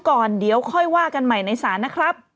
ก่อนเดี๋ยวค่อยว่ากันใหม่ในศาลนะครับ